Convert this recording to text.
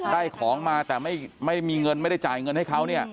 ได้ของมาแต่ไม่มีเงินไม่ได้จ่ายเงินให้เขาเนี่ย